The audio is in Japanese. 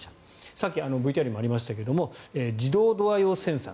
さっき、ＶＴＲにもありましたが自動ドア用センサー。